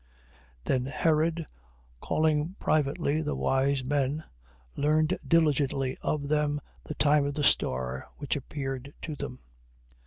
2:7. Then Herod, privately calling the wise men learned diligently of them the time of the star which appeared to them; 2:8.